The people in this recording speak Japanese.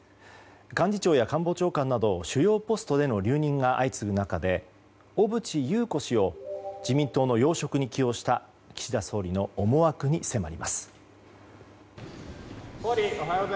幹事長や官房長官など主要ポストでの留任が相次ぐ中で小渕優子氏を自民党の要職に起用した岸田総理の思惑に迫ります。